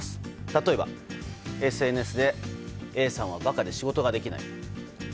例えば、ＳＮＳでＡさんは馬鹿で仕事ができない。